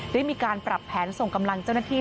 ได้มีการปรับแผนส่งกำลังเจ้าหน้าที่